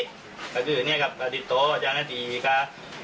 แต่เราก็ประโลกที่เจ้ากำหับทุกชู